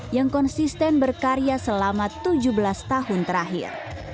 yang konsisten berkarya selama tujuh belas tahun terakhir